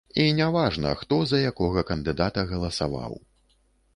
І не важна, хто за якога кандыдата галасаваў.